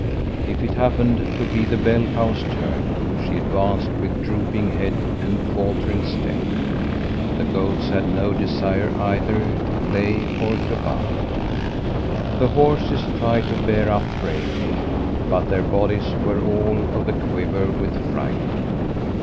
If it happened to be the bell cow's turn, she advanced with drooping head and faltering step. The goats had no desire either to play or to butt. The horses tried to bear up bravely, but their bodies were all of a quiver with fright.